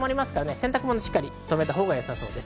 洗濯物はしっかり止めたほうがよさそうです。